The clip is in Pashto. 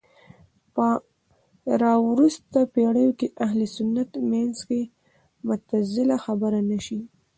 په راوروسته پېړيو کې اهل سنت منځ کې معتزله خبره نه شي